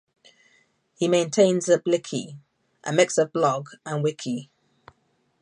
He maintains a "bliki", a mix of blog and wiki.